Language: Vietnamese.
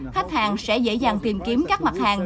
khách hàng sẽ dễ dàng tìm kiếm các mặt hàng